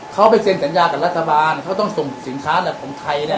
เขาไปเซ็นสัญญากับรัฐบาลเขาต้องส่งสินค้าของไทยเนี่ย